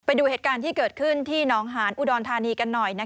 ไปดูเหตุการณ์ที่เกิดขึ้นที่หนองหานอุดรธานีกันหน่อย